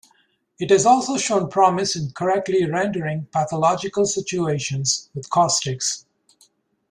It has also shown promise in correctly rendering pathological situations with caustics.